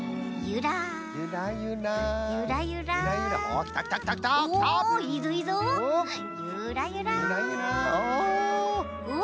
ゆらゆらお。